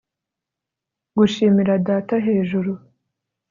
gushimira data hejuru